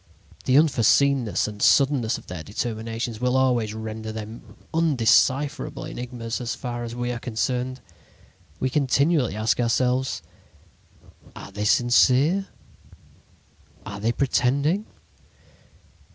The unforeseenness and suddenness of their determinations will always render them undecipherable enigmas as far as we are concerned. We continually ask ourselves: "'Are they sincere? Are they pretending?'